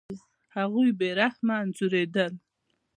هغوی به بې رحمه انځورېدل.